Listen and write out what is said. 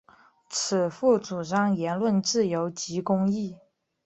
此赋主张言论自由及公义。